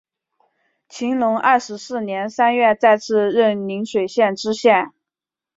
乾隆二十四年三月再次任邻水县知县。